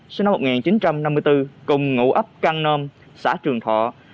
sinh năm một nghìn chín trăm năm mươi bốn cùng ngủ ấp căng nôn xã trường thọ